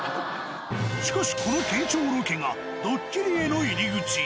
しかしこの検証ロケが、ドッキリへの入り口。